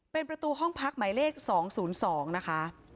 เป็นประตูห้องพักหมายเลข๒๐๒นะคะ